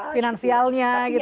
finansialnya gitu ya